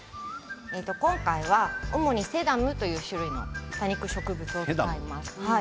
今回は主にセダムという種類の多肉植物を使います。